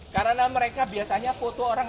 karena mereka biasanya foto orang